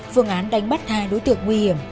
phương án đánh bắt hai đối tượng nguy hiểm